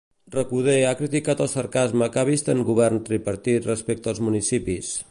Recoder ha criticat el sarcasme que ha vist en Govern tripartit respecte als municipis.